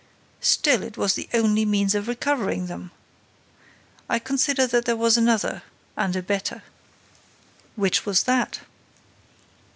"Still, it was the only means of recovering them." "I consider that there was another and a better." "Which was that?"